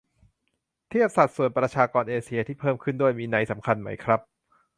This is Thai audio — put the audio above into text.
เทียบสัดส่วนประชากรเอเชียที่เพิ่มขึ้นด้วย มีนัยสำคัญไหมครับ ?